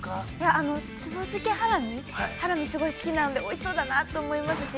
◆あの壺漬けハラミ、ハラミすごい好きなんで、おいしそうだなと思いますし。